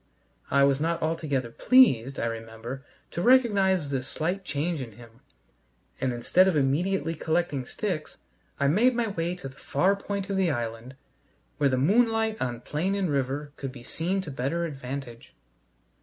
I was not altogether pleased, I remember, to recognize this slight change in him, and instead of immediately collecting sticks, I made my way to the far point of the island where the moonlight on plain and river could be seen to better advantage.